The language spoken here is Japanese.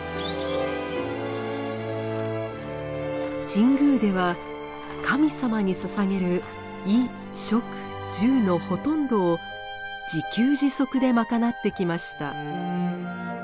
神宮では神様にささげる衣・食・住のほとんどを自給自足で賄ってきました。